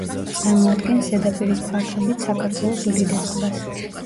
წარმოადგენს ზედაპირის ფართობით საქართველოს უდიდეს ტბას.